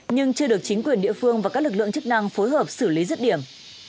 nhưng chưa được chính quyền địa phương và các lực lượng chức năng phối hợp xử lý rứt điểm